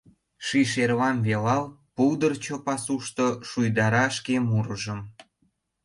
Ший шерлам велал, Пулдырчо пасушто Шуйдара шке мурыжым.